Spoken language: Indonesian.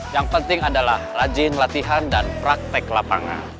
yang penting adalah rajin latihan dan praktek lapangan